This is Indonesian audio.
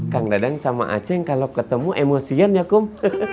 kang dadang sama aceh kalau ketemu emosian ya kum